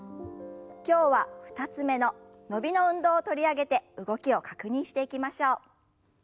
今日は２つ目の伸びの運動を取り上げて動きを確認していきましょう。